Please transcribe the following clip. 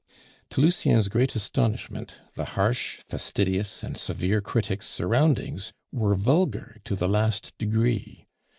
To Lucien's great astonishment, the harsh, fastidious, and severe critic's surroundings were vulgar to the last degree.